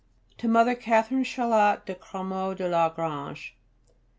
_To Mother Catherine Charlotte de Crémaux de la Grange.